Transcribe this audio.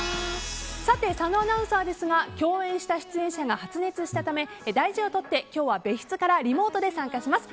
佐野アナウンサーですが共演した出演者が発熱したため大事を取って今日は別室からリモートで出演します。